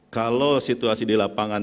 kalau situasi di lapangan